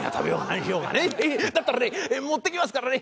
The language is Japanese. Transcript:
だったらね持ってきますからね。